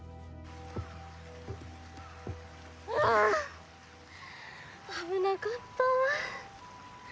はあ危なかったあ。